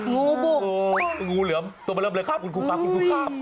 งูบุกงูเหลือมตัวมาเริ่มเลยครับคุณครูครับคุณครูครับ